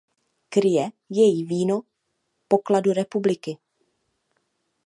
Kryje jej víno pokladu republiky.